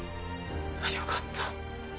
よかった。